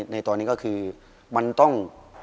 ในตอนนี้ก็คือมันต้อง